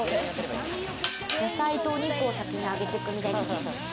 野菜とお肉を先に、あげてくみたいですね。